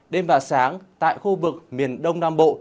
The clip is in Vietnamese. đêm và sáng tại khu vực miền đông nam bộ